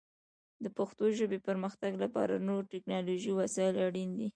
د پښتو ژبې پرمختګ لپاره نور ټکنالوژیکي وسایل اړین دي.